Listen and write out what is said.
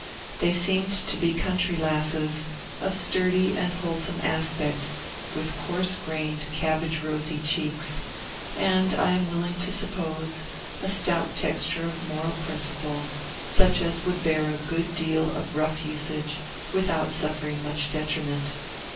They seemed to be country lasses, of sturdy and wholesome aspect, with coarse grained, cabbage rosy cheeks, and, I am willing to suppose, a stout texture of moral principle, such as would bear a good deal of rough usage without suffering much detriment.